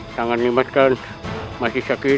tangan nimas kan masih sakit